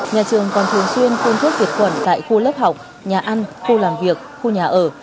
nhà trường còn thường xuyên phun thuốc diệt quẩn tại khu lớp học nhà ăn khu làm việc khu nhà ở